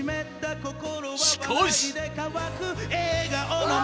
［しかし］あ！